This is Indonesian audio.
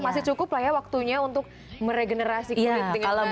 masih cukup lah ya waktunya untuk meregenerasi kulit tinggal lagi